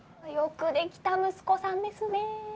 よくできた息子さんですね。